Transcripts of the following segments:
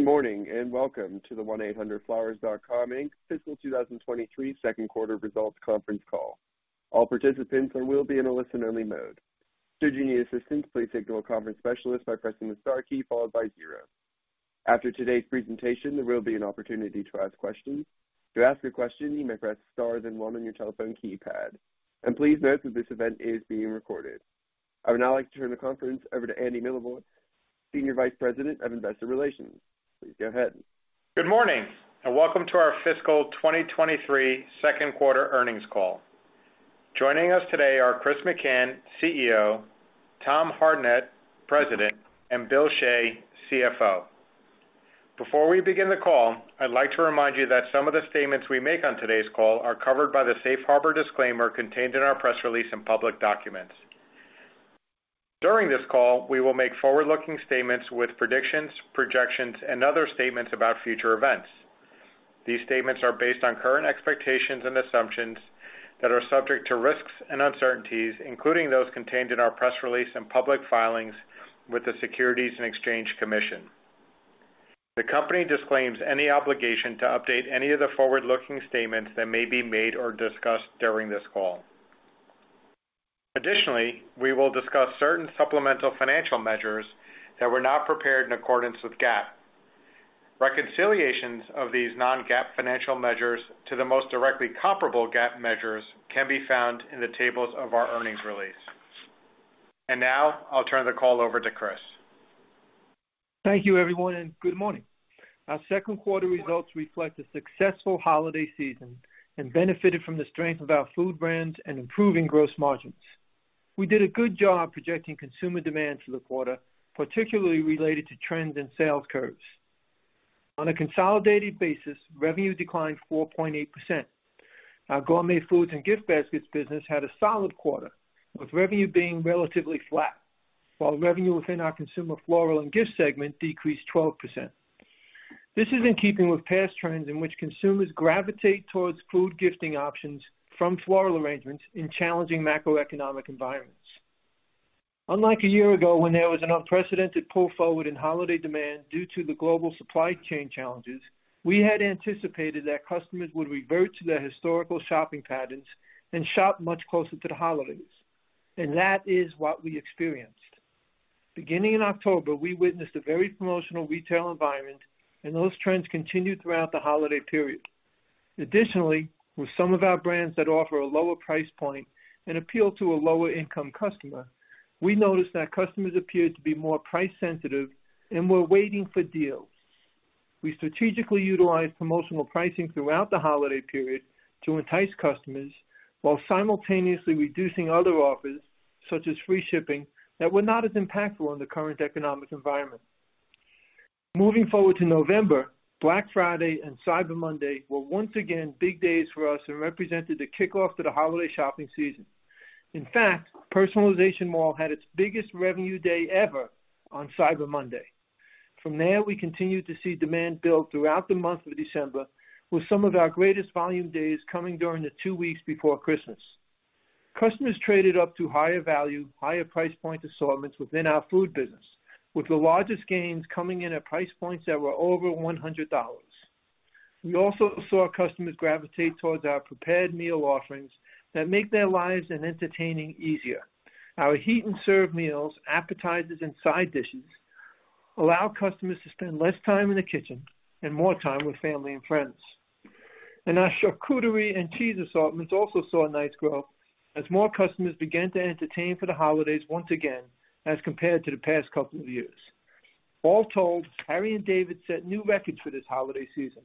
Good morning, and welcome to the 1-800-FLOWERS.COM, Inc. fiscal 2023 2nd quarter results conference call. All participants are will be in a listen-only mode. Should you need assistance, please signal a conference specialist by pressing the star key followed by zero. After today's presentation, there will be an opportunity to ask questions. To ask a question, you may press star then one on your telephone keypad. Please note that this event is being recorded. I would now like to turn the conference over to Andy Milevoj, Senior Vice President of Investor Relations. Please go ahead. Good morning, and welcome to our fiscal 2023 2nd quarter earnings call. Joining us today are Chris McCann, CEO, Tom Hartnett, President, and Bill Shea, CFO. Before we begin the call, I'd like to remind you that some of the statements we make on today's call are covered by the safe harbor disclaimer contained in our press release and public documents. During this call, we will make forward-looking statements with predictions, projections, and other statements about future events. These statements are based on current expectations and assumptions that are subject to risks and uncertainties, including those contained in our press release and public filings with the Securities and Exchange Commission. The company disclaims any obligation to update any of the forward-looking statements that may be made or discussed during this call. Additionally, we will discuss certain supplemental financial measures that were not prepared in accordance with GAAP. Reconciliations of these non-GAAP financial measures to the most directly comparable GAAP measures can be found in the tables of our earnings release. Now I'll turn the call over to Chris. Thank you, everyone, and good morning. Our 2nd quarter results reflect a successful holiday season and benefited from the strength of our food brands and improving gross margins. We did a good job projecting consumer demand for the quarter, particularly related to trends in sales curves. On a consolidated basis, revenue declined 4.8%. Our gourmet foods and gift baskets business had a solid quarter, with revenue being relatively flat, while revenue within our Consumer Floral & Gifts segment decreased 12%. This is in keeping with past trends in which consumers gravitate towards food gifting options from floral arrangements in challenging macroeconomic environments. Unlike a year ago, when there was an unprecedented pull forward in holiday demand due to the global supply chain challenges, we had anticipated that customers would revert to their historical shopping patterns and shop much closer to the holidays. That is what we experienced. Beginning in October, we witnessed a very promotional retail environment, and those trends continued throughout the holiday period. Additionally, with some of our brands that offer a lower price point and appeal to a lower-income customer, we noticed that customers appeared to be more price-sensitive and were waiting for deals. We strategically utilized promotional pricing throughout the holiday period to entice customers while simultaneously reducing other offers, such as free shipping, that were not as impactful in the current economic environment. Moving forward to November, Black Friday and Cyber Monday were once again big days for us and represented the kickoff to the holiday shopping season. In fact, Personalization Mall had its biggest revenue day ever on Cyber Monday. From there, we continued to see demand build throughout the month of December, with some of our greatest volume days coming during the two weeks before Christmas. Customers traded up to higher value, higher price point assortments within our food business, with the largest gains coming in at price points that were over $100. We also saw customers gravitate towards our prepared meal offerings that make their lives and entertaining easier. Our heat and serve meals, appetizers, and side dishes allow customers to spend less time in the kitchen and more time with family and friends. Our charcuterie and cheese assortments also saw a nice growth as more customers began to entertain for the holidays once again as compared to the past couple of years. All told, Harry & David set new records for this holiday season,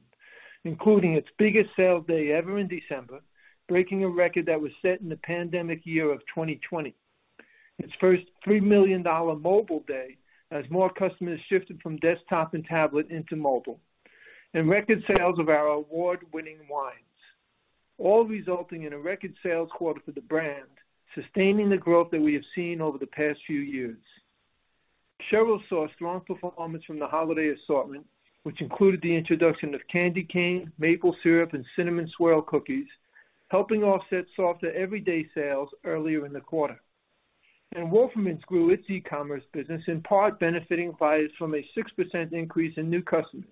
including its biggest sales day ever in December, breaking a record that was set in the pandemic year of 2020. Its 1st $3 million mobile day as more customers shifted from desktop and tablet into mobile. Record sales of our award-winning wines, all resulting in a record sales quarter for the brand, sustaining the growth that we have seen over the past few years. Cheryl saw strong performance from the holiday assortment, which included the introduction of candy cane, maple syrup, and cinnamon swirl cookies, helping offset softer everyday sales earlier in the quarter. Wolferman's grew its e-commerce business, in part benefiting buyers from a 6% increase in new customers.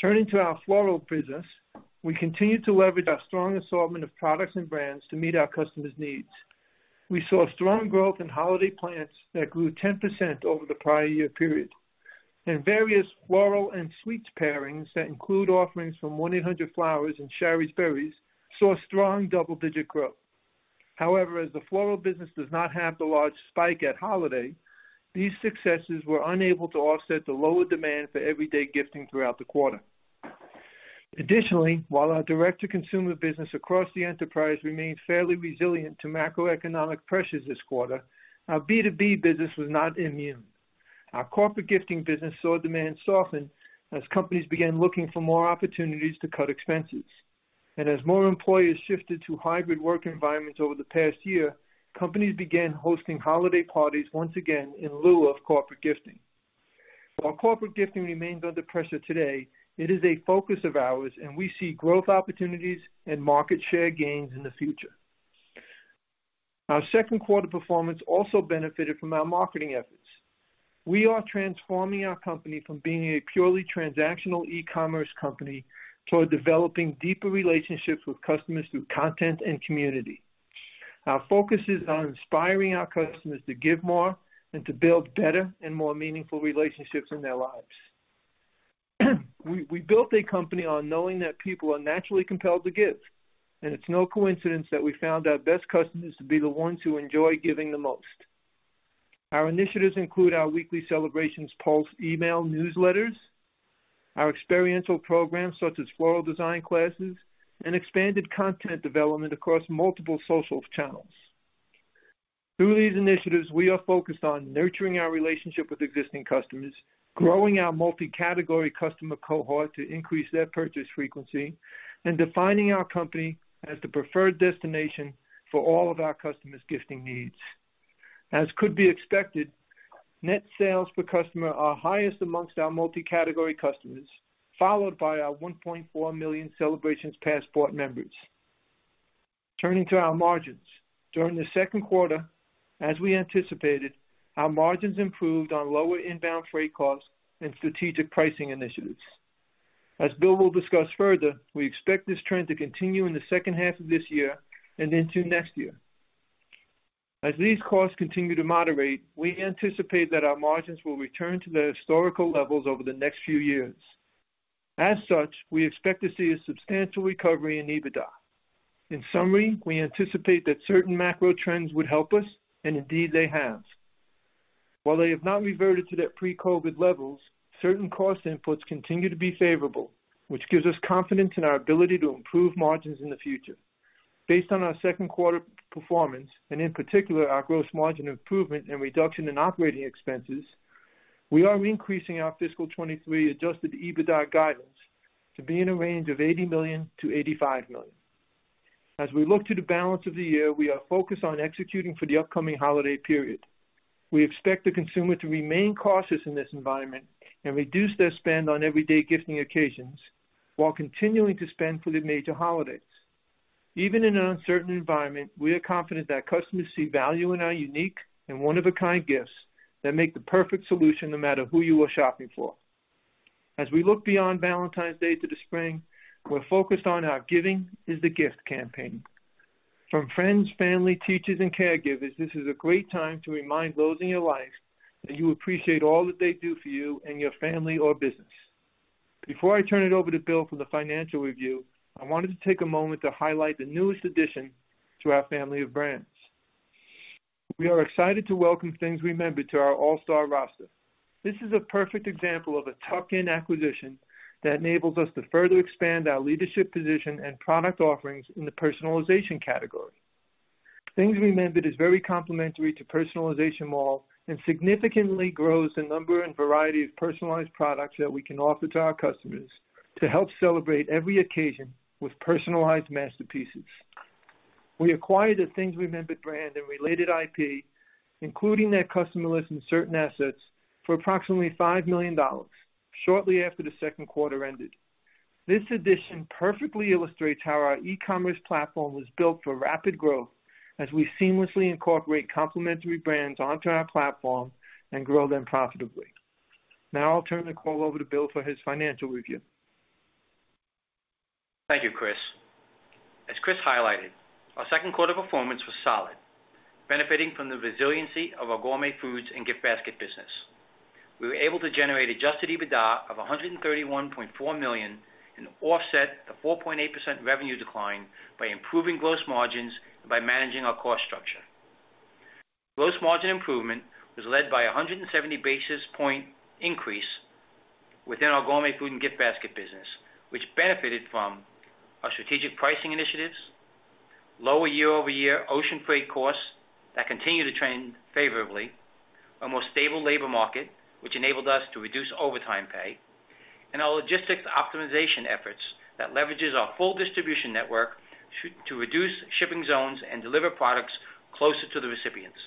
Turning to our floral business, we continued to leverage our strong assortment of products and brands to meet our customers' needs. We saw strong growth in holiday plants that grew 10% over the prior year period, and various floral and sweets pairings that include offerings from 1-800-Flowers.com and Shari's Berries saw strong double-digit growth. However, as the floral business does not have the large spike at holiday, these successes were unable to offset the lower demand for everyday gifting throughout the quarter. Additionally, while our direct-to-consumer business across the enterprise remained fairly resilient to macroeconomic pressures this quarter, our B2B business was not immune. Our corporate gifting business saw demand soften as companies began looking for more opportunities to cut expenses. As more employees shifted to hybrid work environments over the past year, companies began hosting holiday parties once again in lieu of corporate gifting. While corporate gifting remains under pressure today, it is a focus of ours, and we see growth opportunities and market share gains in the future. Our 2nd quarter performance also benefited from our marketing efforts. We are transforming our company from being a purely transactional e-commerce company toward developing deeper relationships with customers through content and community. Our focus is on inspiring our customers to give more and to build better and more meaningful relationships in their lives. We built a company on knowing that people are naturally compelled to give, and it's no coincidence that we found our best customers to be the ones who enjoy giving the most. Our initiatives include our weekly Celebrations Pulse email newsletters, our experiential programs, such as floral design classes, and expanded content development across multiple social channels. Through these initiatives, we are focused on nurturing our relationship with existing customers, growing our multi-category customer cohort to increase their purchase frequency, and defining our company as the preferred destination for all of our customers' gifting needs. As could be expected, net sales per customer are highest amongst our multi-category customers, followed by our 1.4 million Celebrations Passport members. Turning to our margins. During the 2nd quarter, as we anticipated, our margins improved on lower inbound freight costs and strategic pricing initiatives. As Bill will discuss further, we expect this trend to continue in the 2nd half of this year and into next year. As these costs continue to moderate, we anticipate that our margins will return to their historical levels over the next few years. As such, we expect to see a substantial recovery in EBITDA. In summary, we anticipate that certain macro trends would help us, and indeed they have. While they have not reverted to their pre-COVID levels, certain cost inputs continue to be favorable, which gives us confidence in our ability to improve margins in the future. Based on our 2nd quarter performance, and in particular, our gross margin improvement and reduction in operating expenses, we are increasing our fiscal 2023 adjusted EBITDA guidance to be in a range of $80 million-$85 million. As we look to the balance of the year, we are focused on executing for the upcoming holiday period. We expect the consumer to remain cautious in this environment and reduce their spend on everyday gifting occasions while continuing to spend for the major holidays. Even in an uncertain environment, we are confident that customers see value in our unique and one of a kind gifts that make the perfect solution no matter who you are shopping for. As we look beyond Valentine's Day to the spring, we're focused on our Giving is the Gift campaign. From friends, family, teachers, and caregivers, this is a great time to remind those in your life that you appreciate all that they do for you and your family or business. Before I turn it over to Bill for the financial review, I wanted to take a moment to highlight the newest addition to our family of brands. We are excited to welcome Things Remembered to our all-star roster. This is a perfect example of a tuck-in acquisition that enables us to further expand our leadership position and product offerings in the personalization category. Things Remembered is very complementary to Personalization Mall and significantly grows the number and variety of personalized products that we can offer to our customers to help celebrate every occasion with personalized masterpieces. We acquired the Things Remembered brand and related IP, including their customer list and certain assets, for approximately $5 million shortly after the 2nd quarter ended. This addition perfectly illustrates how our e-commerce platform was built for rapid growth as we seamlessly incorporate complementary brands onto our platform and grow them profitably. Now I'll turn the call over to Bill for his financial review. Thank you, Chris. As Chris highlighted, our 2nd quarter performance was solid, benefiting from the resiliency of our gourmet foods and gift basket business. We were able to generate adjusted EBITDA of $131.4 million and offset the 4.8% revenue decline by improving gross margins by managing our cost structure. Gross margin improvement was led by a 170 basis point increase within our gourmet foods and gift basket business, which benefited from our strategic pricing initiatives, lower year-over-year ocean freight costs that continue to trend favorably, a more stable labor market, which enabled us to reduce overtime pay, and our logistics optimization efforts that leverages our full distribution network to reduce shipping zones and deliver products closer to the recipients.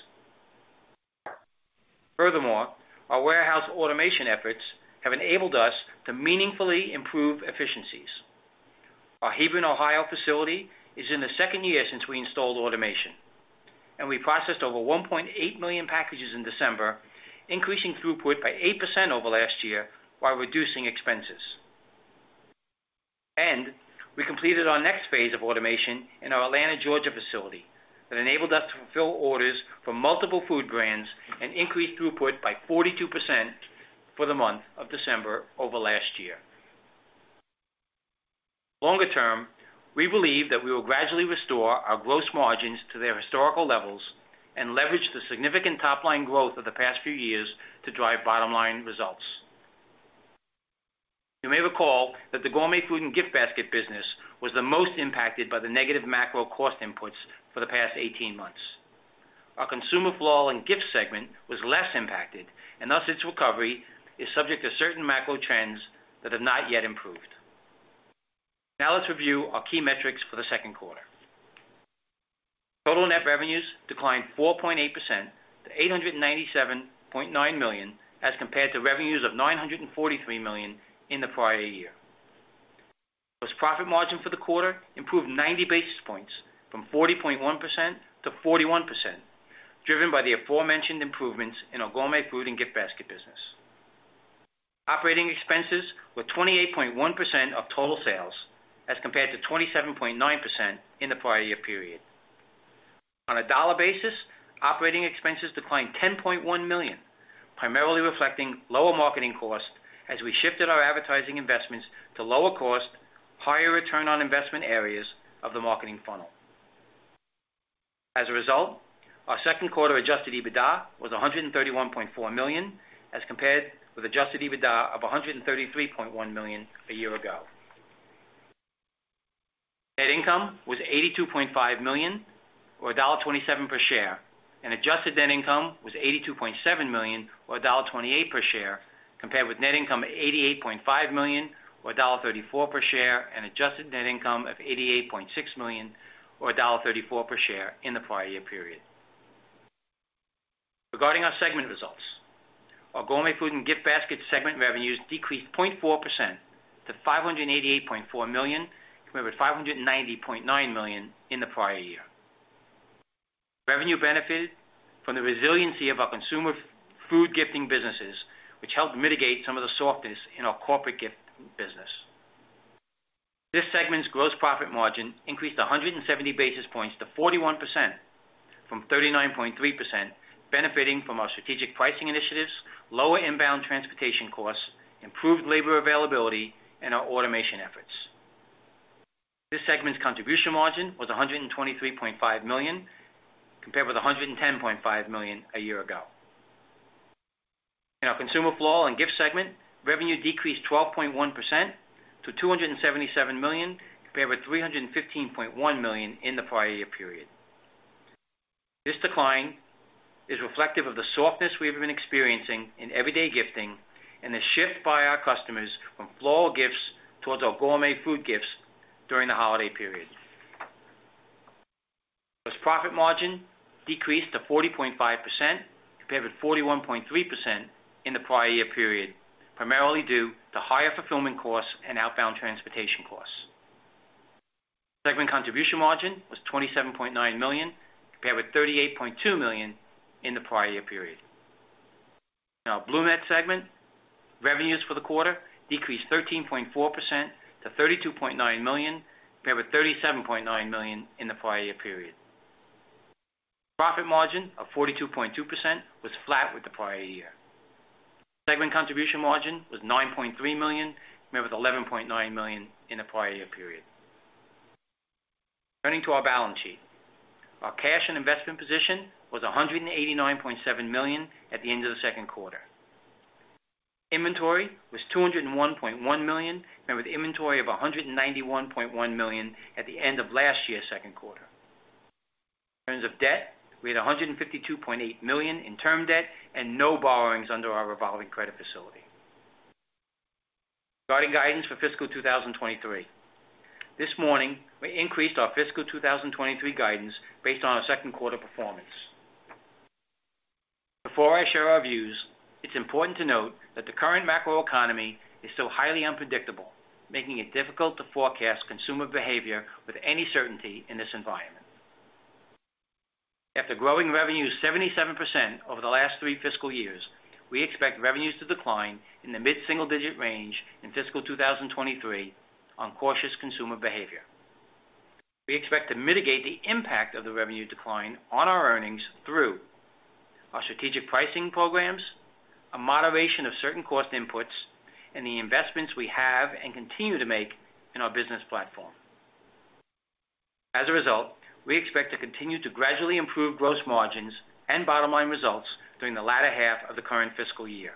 Furthermore, our warehouse automation efforts have enabled us to meaningfully improve efficiencies. Our Hebron, Ohio facility is in the 2nd year since we installed automation. We processed over 1.8 million packages in December, increasing throughput by 8% over last year while reducing expenses. We completed our next phase of automation in our Atlanta, Georgia facility that enabled us to fulfill orders for multiple food brands and increase throughput by 42% for the month of December over last year. Longer term, we believe that we will gradually restore our gross margins to their historical levels and leverage the significant top-line growth of the past few years to drive bottom-line results. You may recall that the gourmet food and gift basket business was the most impacted by the negative macro cost inputs for the past 18 months. Our Consumer Floral & Gifts segment was less impacted, and thus its recovery is subject to certain macro trends that have not yet improved. Now let's review our key metrics for the 2nd quarter. Total net revenues declined 4.8% to $897.9 million as compared to revenues of $943 million in the prior year. Gross profit margin for the quarter improved 90 basis points from 40.1% to 41%, driven by the aforementioned improvements in our gourmet foods and gift baskets business. Operating expenses were 28.1% of total sales, as compared to 27.9% in the prior year period. On a dollar basis, operating expenses declined $10.1 million, primarily reflecting lower marketing costs as we shifted our advertising investments to lower cost, higher return on investment areas of the marketing funnel. As a result, our 2nd quarter adjusted EBITDA was $131.4 million, as compared with adjusted EBITDA of $133.1 million a year ago. Net income was $82.5 million or $1.27 per share, and adjusted net income was $82.7 million or $1.28 per share, compared with net income of $88.5 million or $1.34 per share, and adjusted net income of $88.6 million or $1.34 per share in the prior year period. Our gourmet foods and gift baskets segment revenues decreased 0.4% to $588.4 million, compared with $590.9 million in the prior year. Revenue benefited from the resiliency of our consumer food gifting businesses, which helped mitigate some of the softness in our corporate gift business. This segment's gross profit margin increased 170 basis points to 41% from 39.3%, benefiting from our strategic pricing initiatives, lower inbound transportation costs, improved labor availability, and our automation efforts. This segment's contribution margin was $123.5 million, compared with $110.5 million a year ago. In our Consumer Floral and Gift segment, revenue decreased 12.1% to $277 million, compared with $315.1 million in the prior year period. This decline is reflective of the softness we have been experiencing in everyday gifting and the shift by our customers from floral gifts towards our gourmet food gifts during the holiday period. Plus profit margin decreased to 40.5% compared with 41.3% in the prior year period, primarily due to higher fulfillment costs and outbound transportation costs. Segment contribution margin was $27.9 million, compared with $38.2 million in the prior year period. BloomNet segment revenues for the quarter decreased 13.4% to $32.9 million, compared with $37.9 million in the prior year period. Profit margin of 42.2% was flat with the prior year. Segment contribution margin was $9.3 million, compared with $11.9 million in the prior year period. Turning to our balance sheet. Our cash and investment position was $189.7 million at the end of the 2nd quarter. Inventory was $201.1 million, compared with inventory of $191.1 million at the end of last year's 2nd quarter. In terms of debt, we had $152.8 million in term debt and no borrowings under our revolving credit facility. Regarding guidance for fiscal 2023. This morning, we increased our fiscal 2023 guidance based on our 2nd quarter performance. Before I share our views, it's important to note that the current macroeconomy is still highly unpredictable, making it difficult to forecast consumer behavior with any certainty in this environment. After growing revenues 77% over the last three fiscal years, we expect revenues to decline in the mid-single digit range in fiscal 2023 on cautious consumer behavior. We expect to mitigate the impact of the revenue decline on our earnings through our strategic pricing programs, a moderation of certain cost inputs, and the investments we have and continue to make in our business platform. As a result, we expect to continue to gradually improve gross margins and bottom-line results during the latter half of the current fiscal year.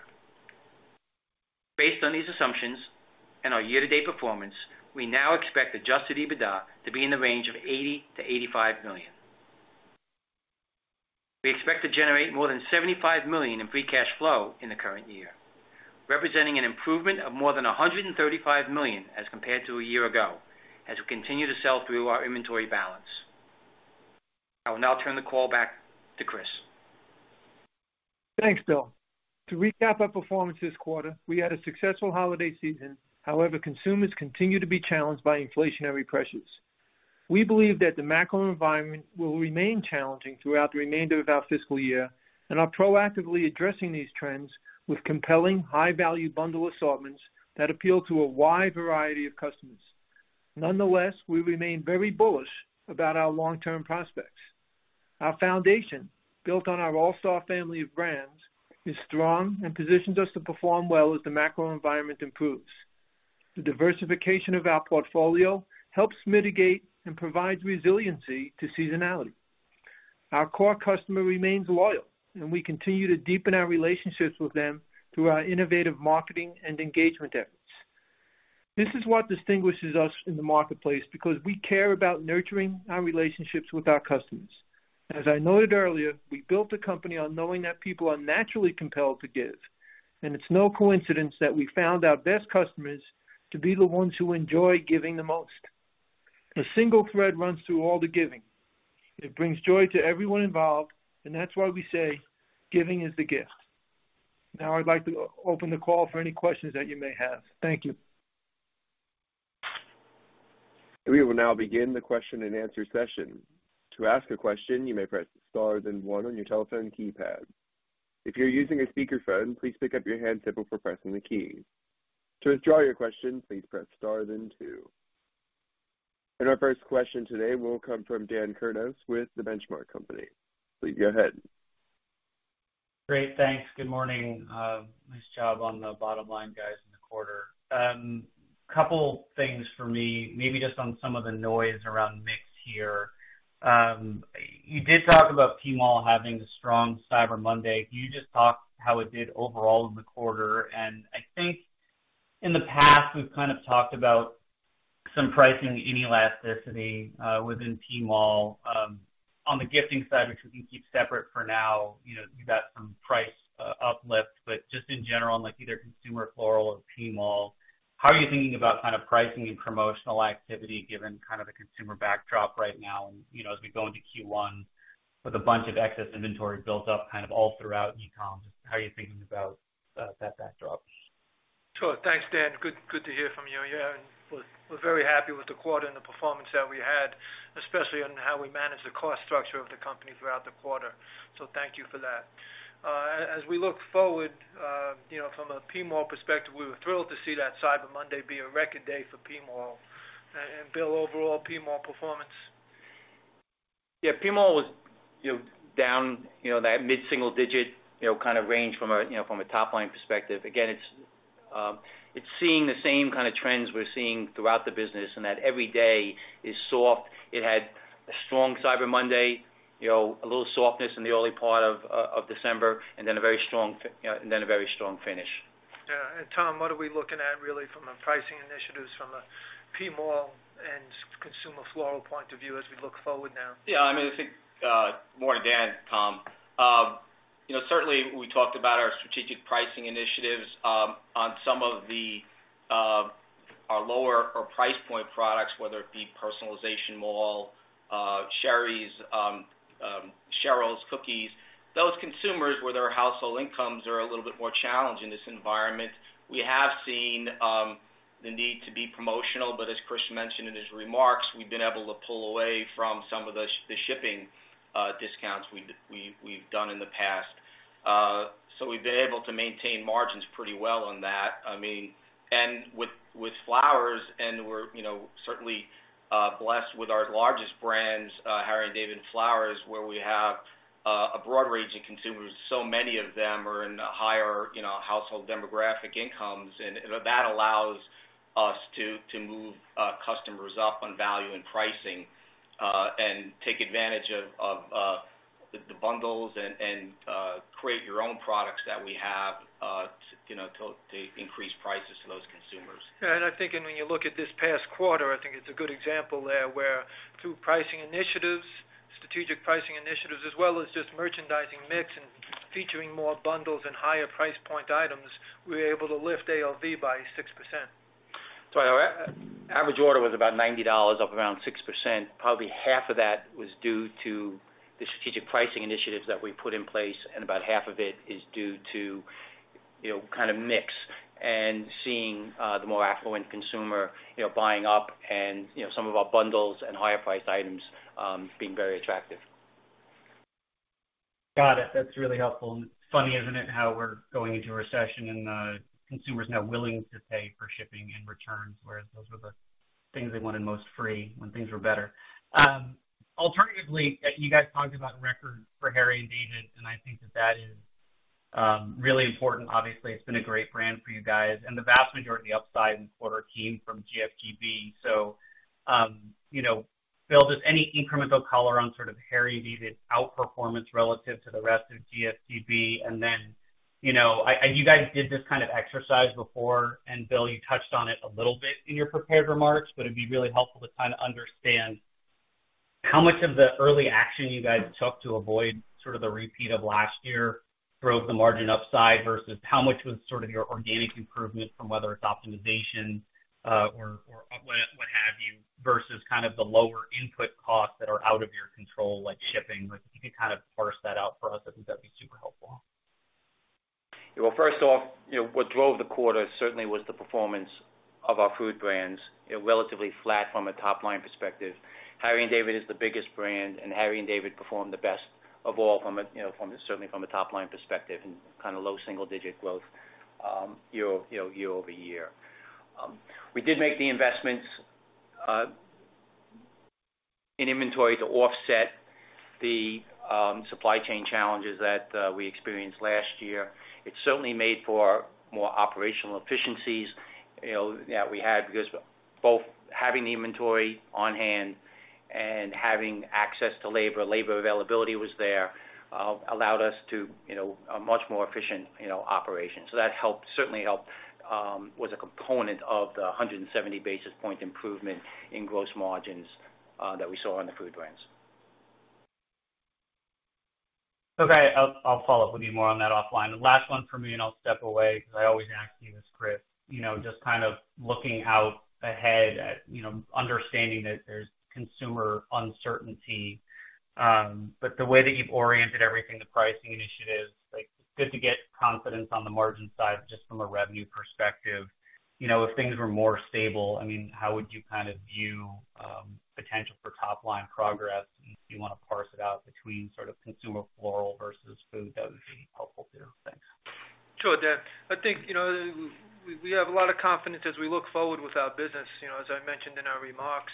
Based on these assumptions and our year-to-date performance, we now expect adjusted EBITDA to be in the range of $80 million-$85 million. We expect to generate more than $75 million in free cash flow in the current year, representing an improvement of more than $135 million as compared to a year ago, as we continue to sell through our inventory balance. I will now turn the call back to Chris. Thanks, Bill. To recap our performance this quarter, we had a successful holiday season. Consumers continue to be challenged by inflationary pressures. We believe that the macro environment will remain challenging throughout the remainder of our fiscal year and are proactively addressing these trends with compelling high-value bundle assortments that appeal to a wide variety of customers. We remain very bullish about our long-term prospects. Our foundation, built on our all-star family of brands, is strong and positions us to perform well as the macro environment improves. The diversification of our portfolio helps mitigate and provides resiliency to seasonality. Our core customer remains loyal, and we continue to deepen our relationships with them through our innovative marketing and engagement efforts. This is what distinguishes us in the marketplace because we care about nurturing our relationships with our customers. As I noted earlier, we built the company on knowing that people are naturally compelled to give. It's no coincidence that we found our best customers to be the ones who enjoy giving the most. A single thread runs through all the giving. It brings joy to everyone involved, and that's why we say, Giving is the Gift. Now I'd like to open the call for any questions that you may have. Thank you. We will now begin the question-and-answer session. To ask a question, you may press star then one on your telephone keypad. If you're using a speakerphone, please pick up your handset before pressing the key. To withdraw your question, please press star then two. Our 1st question today will come from Daniel Kurnos with The Benchmark Company. Please go ahead. Great. Thanks. Good morning. Nice job on the bottom line, guys, in the quarter. Couple things for me, maybe just on some of the noise around mix here. You did talk about PMall having a strong Cyber Monday. Can you just talk how it did overall in the quarter? I think in the past, we've kind of talked about some pricing inelasticity within PMall. On the gifting side, which we can keep separate for now, you know, you got some price uplift. Just in general, in like either Consumer Floral or PMall, how are you thinking about kind of pricing and promotional activity given kind of the consumer backdrop right now and, you know, as we go into Q1 with a bunch of excess inventory built up kind of all throughout e-com? How are you thinking about that backdrop? Sure. Thanks, Dan. Good to hear from you. Yeah, we're very happy with the quarter and the performance that we had, especially on how we managed the cost structure of the company throughout the quarter. Thank you for that. As we look forward, you know, from a PMall perspective, we were thrilled to see that Cyber Monday be a record day for PMall. Bill, overall PMall performance? Yeah, PMall was, you know, down, you know, that mid-single digit, you know, kind of range from a, you know, from a top line perspective. Again, it's seeing the same kind of trends we're seeing throughout the business, and that every day is soft. It had a strong Cyber Monday, you know, a little softness in the early part of December, you know, and then a very strong finish. Yeah. Tom, what are we looking at really from a pricing initiatives from a PMall and Consumer Floral point of view as we look forward now? Yeah, I mean, I think morning, Dan, Tom. You know, certainly we talked about our strategic pricing initiatives on some of the our lower or price point products, whether it be Personalization Mall, Shari's, Cheryl's Cookies. Those consumers, where their household incomes are a little bit more challenged in this environment, we have seen the need to be promotional. As Chris mentioned in his remarks, we've been able to pull away from some of the shipping discounts we've done in the past. We've been able to maintain margins pretty well on that. I mean, and with flowers, we're, you know, certainly blessed with our largest brands, Harry & David Flowers, where we have a broad range of consumers, so many of them are in higher, you know, household demographic incomes. That allows us to move customers up on value and pricing, and take advantage of the bundles and create your own products that we have, you know, to increase prices to those consumers. Yeah. I think when you look at this past quarter, I think it's a good example there, where through pricing initiatives, strategic pricing initiatives, as well as just merchandising mix and featuring more bundles and higher price point items, we were able to lift ALV by 6%. Our average order was about $90, up around 6%. Probably half of that was due to the strategic pricing initiatives that we put in place, and about half of it is due to, you know, kind of mix and seeing the more affluent consumer, you know, buying up and, you know, some of our bundles and higher priced items being very attractive. Got it. That's really helpful. It's funny, isn't it? How we're going into a recession and consumers now willing to pay for shipping and returns, whereas those were the things they wanted most free when things were better. Alternatively, you guys talked about record for Harry & David, and I think that that is really important. Obviously, it's been a great brand for you guys, the vast majority upside in quarter came from GFGB. You know, Bill, just any incremental color on sort of Harry & David's outperformance relative to the rest of GFGB? Then, you know, and you guys did this kind of exercise before, and Bill, you touched on it a little bit in your prepared remarks, but it'd be really helpful to kind of understand how much of the early action you guys took to avoid sort of the repeat of last year drove the margin upside versus how much was sort of your organic improvement from whether it's optimization, or what have you, versus kind of the lower input costs that are out of your control, like shipping. Like, if you could kind of parse that out for us, I think that'd be super helpful. Well, 1st off, you know, what drove the quarter certainly was the performance of our food brands. They're relatively flat from a top line perspective. Harry & David is the biggest brand, and Harry & David performed the best of all from a, you know, certainly from a top line perspective and kind of low single digit growth year, you know, year-over-year. We did make the investments in inventory to offset the supply chain challenges that we experienced last year. It certainly made for more operational efficiencies, you know, that we had because both having the inventory on hand and having access to labor availability was there, allowed us to, you know, a much more efficient, you know, operation. That helped, certainly helped, was a component of the 170 basis point improvement in gross margins, that we saw on the food brands. Okay. I'll follow up with you more on that offline. The last one for me, and I'll step away because I always ask you this, Chris, you know, just kind of looking out ahead at, you know, understanding that there's consumer uncertainty, but the way that you've oriented everything, the pricing initiatives, like, it's good to get confidence on the margin side just from a revenue perspective. You know, if things were more stable, I mean, how would you kind of view potential for top-line progress? If you wanna parse it out between sort of consumer floral versus food, that would be helpful too. Thanks. Sure, Dan. I think, you know, we have a lot of confidence as we look forward with our business. You know, as I mentioned in our remarks,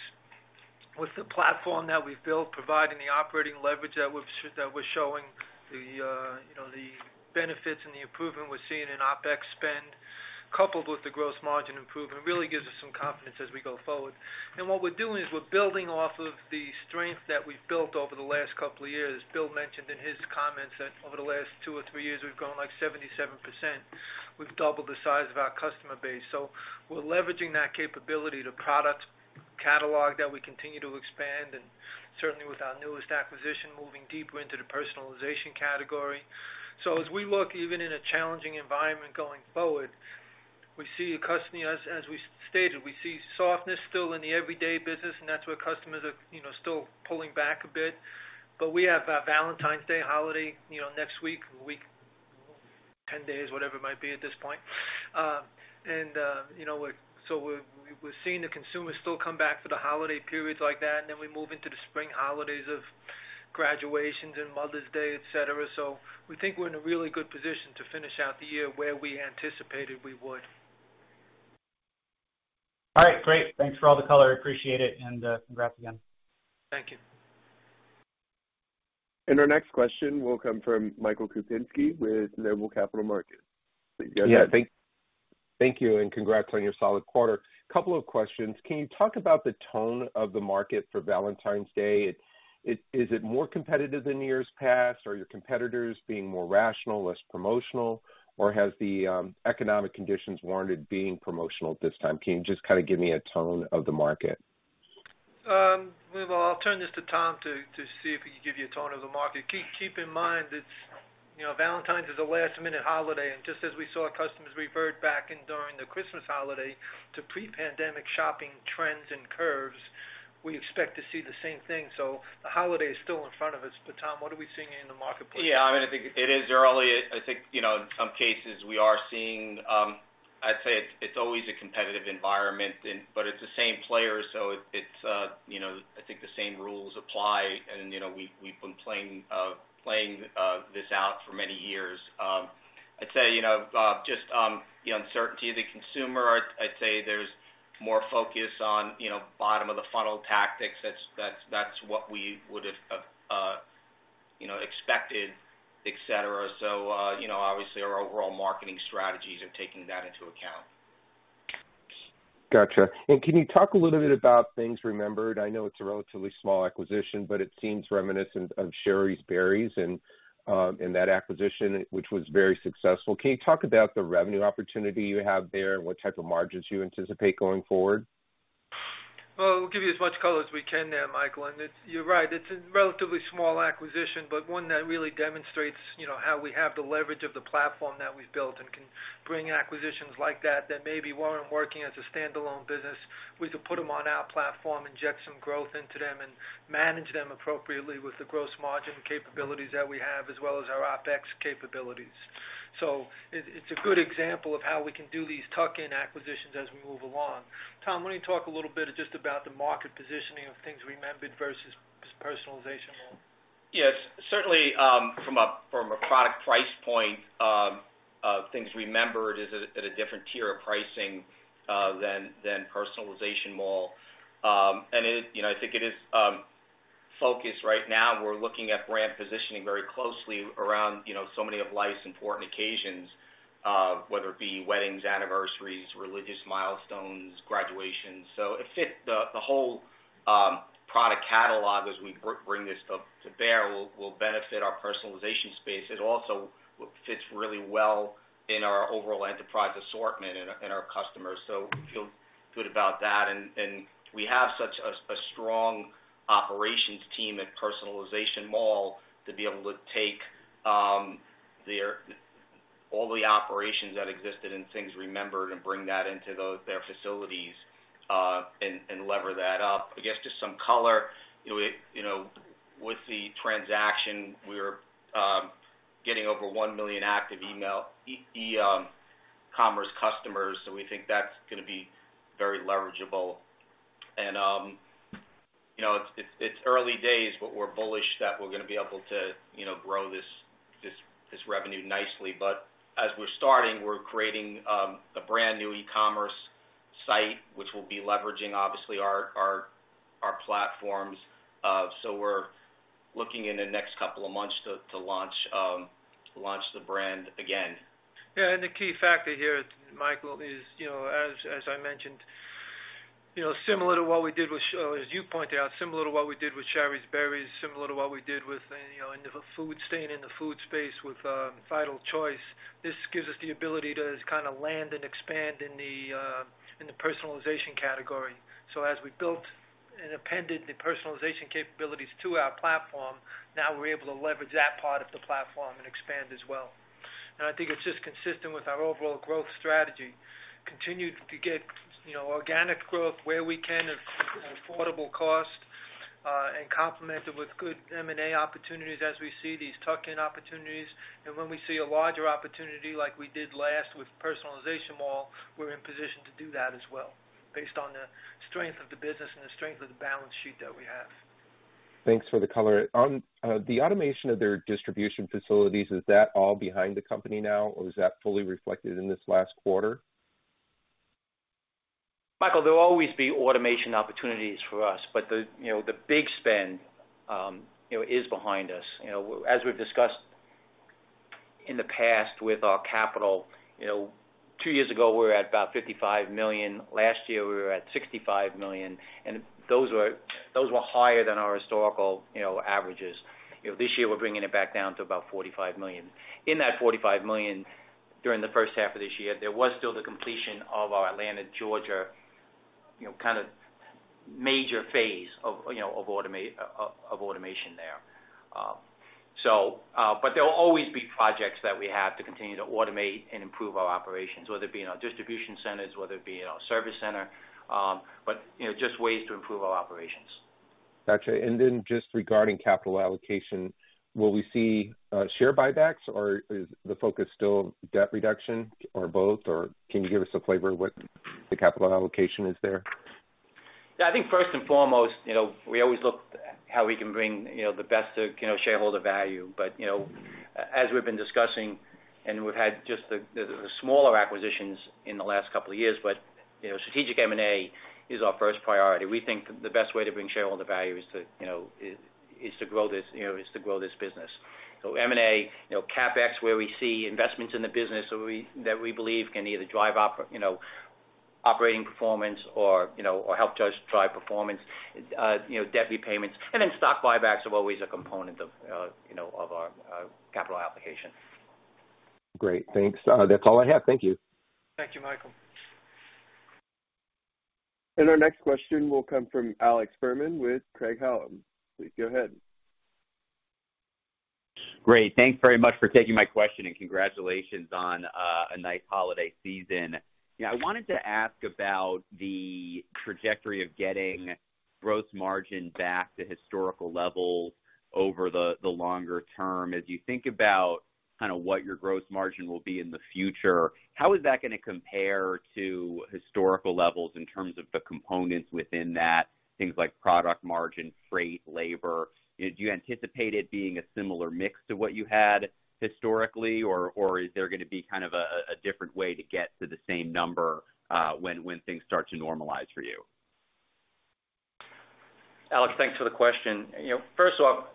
with the platform that we've built, providing the operating leverage that we're showing, the, you know, the benefits and the improvement we're seeing in OpEx spend, coupled with the gross margin improvement, really gives us some confidence as we go forward. What we're doing is we're building off of the strength that we've built over the last couple of years. Bill mentioned in his comments that over the last two or three years, we've grown, like, 77%. We've doubled the size of our customer base. We're leveraging that capability, the product catalog that we continue to expand, and certainly with our newest acquisition, moving deeper into the personalization category. As we look even in a challenging environment going forward, we see softness still in the everyday business, and that's where customers are, you know, still pulling back a bit. We have our Valentine's Day holiday, you know, next week, 10 days, whatever it might be at this point. You know, we're seeing the consumers still come back for the holiday periods like that, and then we move into the spring holidays of graduations and Mother's Day, et cetera. We think we're in a really good position to finish out the year where we anticipated we would. All right. Great. Thanks for all the color. I appreciate it, and congrats again. Thank you. Our next question will come from Michael Kupinski with Noble Capital Markets. Thank you, and congrats on your solid quarter. Couple of questions. Can you talk about the tone of the market for Valentine's Day? Is it more competitive than years past? Are your competitors being more rational, less promotional? Has the economic conditions warranted being promotional at this time? Can you just kind of give me a tone of the market? Well, I'll turn this to Tom to see if he can give you a tone of the market. Keep in mind, it's, you know, Valentine's is a last minute holiday, and just as we saw customers revert back in during the Christmas holiday to pre-pandemic shopping trends and curves, we expect to see the same thing. The holiday is still in front of us. Tom, what are we seeing in the marketplace? Yeah. I mean, I think it is early. I think, you know, in some cases we are seeing. I'd say it's always a competitive environment. It's the same players, it's, you know, I think the same rules apply. You know, we've been playing this out for many years. I'd say, you know, just the uncertainty of the consumer, I'd say there's more focus on, you know, bottom of the funnel tactics. That's what we would've, you know, expected, et cetera. You know, obviously our overall marketing strategies are taking that into account. Gotcha. Can you talk a little bit about Things Remembered? I know it's a relatively small acquisition, but it seems reminiscent of Shari's Berries and that acquisition, which was very successful. Can you talk about the revenue opportunity you have there and what type of margins you anticipate going forward? We'll give you as much color as we can there, Michael. It's you're right, it's a relatively small acquisition, but one that really demonstrates, you know, how we have the leverage of the platform that we've built and can bring acquisitions like that maybe weren't working as a standalone business. We could put them on our platform, inject some growth into them, and manage them appropriately with the gross margin capabilities that we have, as well as our OpEx capabilities. It's a good example of how we can do these tuck-in acquisitions as we move along. Tom, why don't you talk a little bit just about the market positioning of Things Remembered versus Personalization Mall? Certainly, from a, from a product price point, Things Remembered is at a, at a different tier of pricing than Personalization Mall. It is, you know, I think it is, focus right now, we're looking at brand positioning very closely around, you know, so many of life's important occasions, whether it be weddings, anniversaries, religious milestones, graduations. It fit the whole product catalog as we bring this to bear will benefit our personalization space. It also fits really well in our overall enterprise assortment and our, and our customers. We feel good about that. we have such a strong operations team at Personalization Mall to be able to take all the operations that existed in Things Remembered and bring that into those, their facilities and lever that up. I guess just some color, you know, with the transaction, we're getting over 1 million active email commerce customers, so we think that's gonna be very leverageable. you know, it's early days, but we're bullish that we're gonna be able to, you know, grow this revenue nicely. as we're starting, we're creating a brand new e-commerce site which will be leveraging obviously our platforms. So we're looking in the next couple of months to launch the brand again. Yeah, the key factor here, Michael, is, you know, as I mentioned, you know, as you pointed out, similar to what we did with Shari's Berries, similar to what we did with, you know, staying in the food space with Vital Choice, this gives us the ability to kind of land and expand in the personalization category. As we built and appended the personalization capabilities to our platform, now we're able to leverage that part of the platform and expand as well. I think it's just consistent with our overall growth strategy. Continue to get, you know, organic growth where we can at affordable cost, and complement it with good M&A opportunities as we see these tuck-in opportunities. When we see a larger opportunity like we did last with Personalization Mall, we're in position to do that as well based on the strength of the business and the strength of the balance sheet that we have. Thanks for the color. On, the automation of their distribution facilities, is that all behind the company now, or is that fully reflected in this last quarter? Michael, there will always be automation opportunities for us, but the, you know, the big spend, you know, is behind us. You know, as we've discussed in the past with our capital, you know, two years ago, we were at about $55 million. Last year, we were at $65 million, and those were higher than our historical, you know, averages. You know, this year, we're bringing it back down to about $45 million. In that $45 million, during the 1st half of this year, there was still the completion of our Atlanta, Georgia, you know, kind of major phase of, you know, of automation there. There will always be projects that we have to continue to automate and improve our operations, whether it be in our distribution centers, whether it be in our service center, but, you know, just ways to improve our operations. Got you. Then just regarding capital allocation, will we see share buybacks, or is the focus still debt reduction or both? Can you give us a flavor of what the capital allocation is there? Yeah, I think 1st and foremost, you know, we always look how we can bring, you know, the best, you know, shareholder value. You know, as we've been discussing, and we've had just the smaller acquisitions in the last couple of years, but, you know, strategic M&A is our 1st priority. We think the best way to bring shareholder value is to, you know, is to grow this business. M&A, you know, CapEx, where we see investments in the business that we, that we believe can either drive, you know, operating performance or, you know, or help just drive performance, you know, debt repayments, and then stock buybacks are always a component of, you know, of our capital allocation. Great. Thanks. That's all I have. Thank you. Thank you, Michael. Our next question will come fromHallum. Please go ahead. Great. Thanks very much for taking my question, and congratulations on a nice holiday season. Yeah, I wanted to ask about the trajectory of getting gross margin back to historical levels over the longer term. As you think about kind of what your gross margin will be in the future, how is that gonna compare to historical levels in terms of the components within that, things like product margin, freight, labor? Do you anticipate it being a similar mix to what you had historically, or is there gonna be kind of a different way to get to the same number when things start to normalize for you? Alex Fuhrman, thanks for the question. You know, 1st off,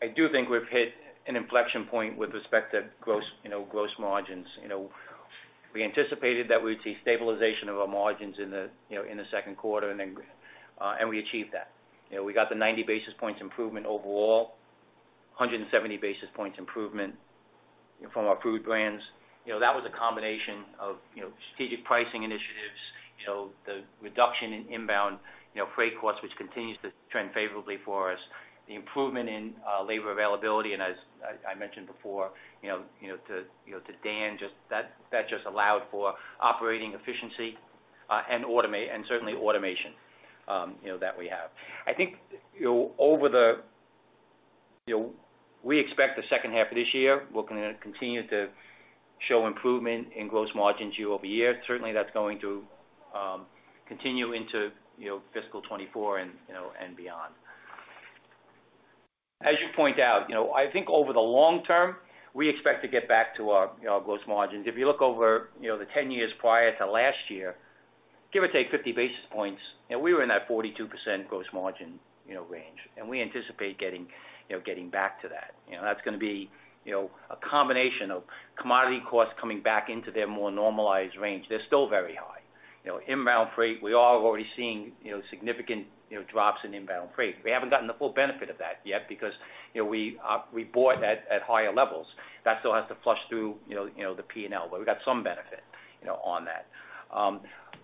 I do think we've hit an inflection point with respect to gross, you know, margins. You know, we anticipated that we'd see stabilization of our margins in the, you know, in the 2nd quarter, and then, and we achieved that. You know, we got the 90 basis points improvement overall, 170 basis points improvement from our food brands. You know, that was a combination of, you know, strategic pricing initiatives, you know, the reduction in inbound, you know, freight costs, which continues to trend favorably for us, the improvement in labor availability. And as I mentioned before, you know, you know, to, you know, to Dan, just that just allowed for operating efficiency, and certainly automation, you know, that we have. I think, you know, over the... You know, we expect the 2nd half of this year, we're gonna continue to show improvement in gross margins year-over-year. Certainly, that's going to continue into, you know, fiscal 2024 and, you know, and beyond. As you point out, you know, I think over the long term, we expect to get back to our, you know, gross margins. If you look over, you know, the 10 years prior to last year, give or take 50 basis points, you know, we were in that 42% gross margin, you know, range, and we anticipate getting, you know, getting back to that. You know, that's gonna be, you know, a combination of commodity costs coming back into their more normalized range. They're still very high. You know, inbound freight, we are already seeing, you know, significant, you know, drops in inbound freight. We haven't gotten the full benefit of that yet because, you know, we bought that at higher levels. That still has to flush through, you know, the P&L, but we got some benefit, you know, on that.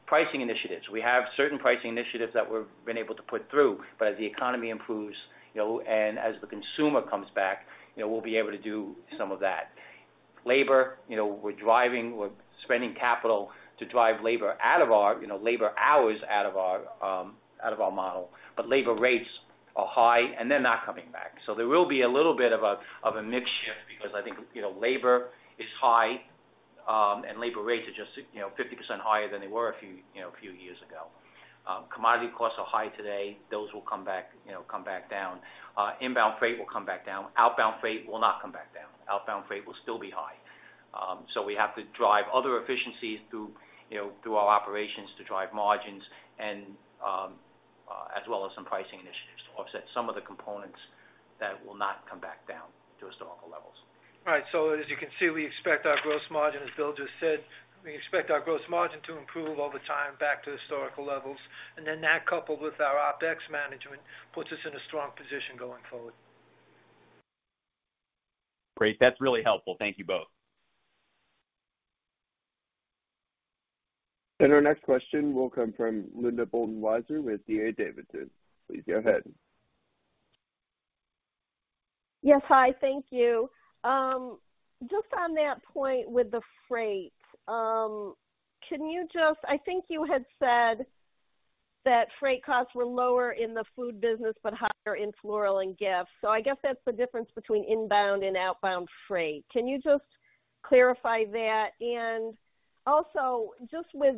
Pricing initiatives. We have certain pricing initiatives that we've been able to put through, but as the economy improves, you know, and as the consumer comes back, you know, we'll be able to do some of that. Labor, you know, we're spending capital to drive labor out of our, you know, labor hours out of our, out of our model. Labor rates are high, and they're not coming back. There will be a little bit of a, of a mix shift because I think, you know, labor is high, and labor rates are just, you know, 50% higher than they were a few, you know, a few years ago. Commodity costs are high today. Those will come back, you know, come back down. Inbound freight will come back down. Outbound freight will not come back down. Outbound freight will still be high. We have to drive other efficiencies through, you know, through our operations to drive margins and, as well as some pricing initiatives to offset some of the components that will not come back down to historical levels. Right. As you can see, we expect our gross margin, as Bill just said, to improve over time back to historical levels. That, coupled with our OpEx management, puts us in a strong position going forward. Great. That's really helpful. Thank you both. Our next question will come from Linda Bolton-Weiser with D.A. Davidson. Please go ahead. Yes. Hi. Thank you. just on that point with the freight, can you just I think you had said that freight costs were lower in the food business but higher in floral and gifts. I guess that's the difference between inbound and outbound freight. Can you just clarify that? Also just with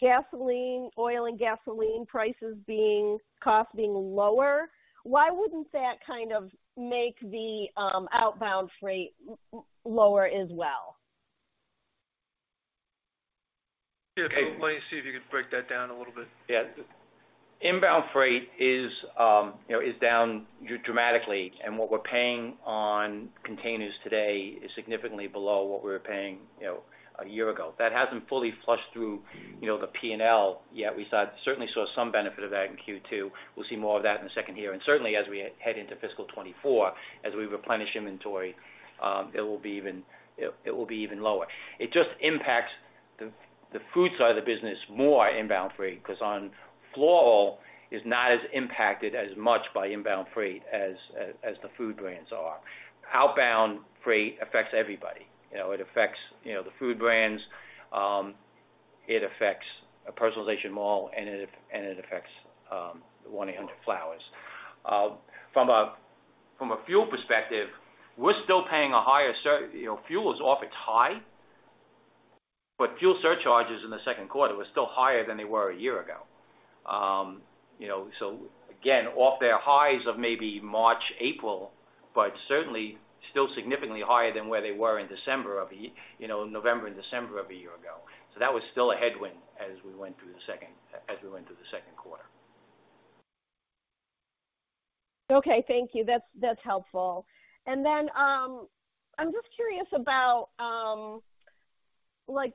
gasoline, oil and gasoline prices being, cost being lower, why wouldn't that kind of make the outbound freight lower as well? Yeah. Let me see if you can break that down a little bit. Yeah. Inbound freight is, you know, down dramatically. What we're paying on containers today is significantly below what we were paying, you know, a year ago. That hasn't fully flushed through, you know, the P&L yet. Certainly saw some benefit of that in Q2. We'll see more of that in the 2nd year. Certainly as we head into fiscal 24, as we replenish inventory, it will be even lower. It just impacts the food side of the business more inbound freight because on floral is not as impacted as much by inbound freight as the food brands are. Outbound freight affects everybody. You know, it affects, you know, the food brands, it affects Personalization Mall and it affects 1-800-Flowers.com. From a fuel perspective, we're still paying a higher. You know, fuel is off its high, but fuel surcharges in the 2nd quarter were still higher than they were a year ago. You know, again, off their highs of maybe March, April, but certainly still significantly higher than where they were in December. You know, November and December of a year ago. That was still a headwind as we went through the 2nd, as we went through the 2nd quarter. Okay. Thank you. That's, that's helpful. I'm just curious about, like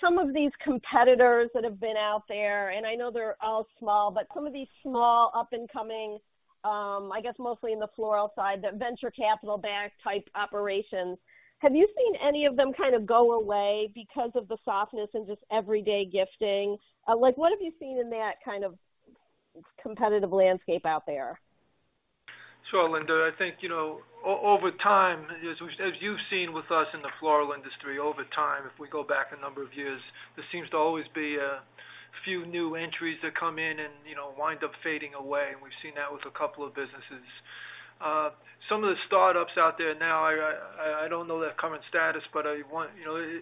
some of these competitors that have been out there, and I know they're all small, but some of these small up and coming, I guess, mostly in the floral side, the venture capital backed type operations. Have you seen any of them kind of go away because of the softness and just everyday gifting? Like what have you seen in that kind of competitive landscape out there? Sure, Linda. I think, you know, over time, as you've seen with us in the floral industry over time, if we go back a number of years, there seems to always be a few new entries that come in and, you know, wind up fading away. We've seen that with a couple of businesses. Some of the startups out there now, I don't know their current status, but you know,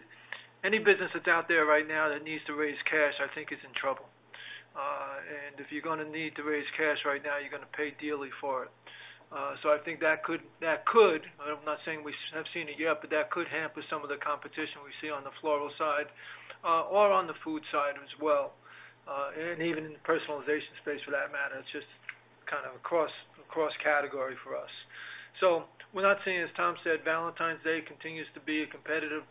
any business that's out there right now that needs to raise cash, I think is in trouble. If you're gonna need to raise cash right now, you're gonna pay dearly for it. I think that could, I'm not saying we have seen it yet, but that could hamper some of the competition we see on the floral side, or on the food side as well, and even in the personalization space for that matter. It's just kind of across category for us. We're not seeing, as Tom said, Valentine's Day continues to be a competitive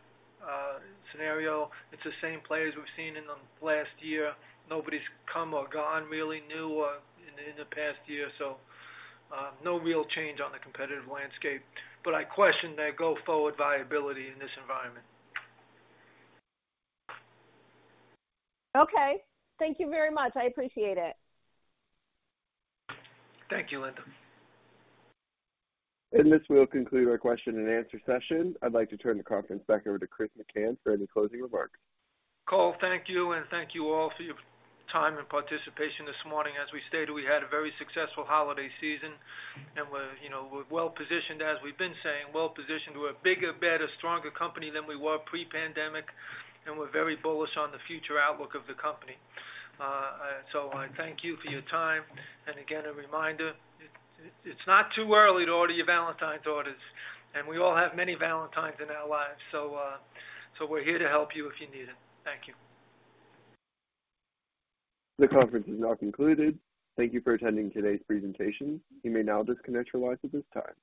scenario. It's the same players we've seen in the last year. Nobody's come or gone really new in the past year, so no real change on the competitive landscape. I question their go forward viability in this environment. Okay. Thank you very much. I appreciate it. Thank you, Linda. This will conclude our question and answer session. I'd like to turn the conference back over to Chris McCann for any closing remarks. Cole, thank you, and thank you all for your time and participation this morning. As we stated, we had a very successful holiday season, and we're, you know, well positioned, as we've been saying, well positioned. We're a bigger, better, stronger company than we were pre-pandemic, and we're very bullish on the future outlook of the company. I thank you for your time. Again, a reminder, it's not too early to order your Valentine's orders. We all have many Valentines in our lives. We're here to help you if you need it. Thank you. The conference is now concluded. Thank you for attending today's presentation. You may now disconnect your lines at this time.